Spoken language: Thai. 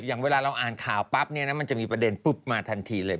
อย่างเวลาเราอ่านข่าวปั๊บเนี่ยนะมันจะมีประเด็นปุ๊บมาทันทีเลย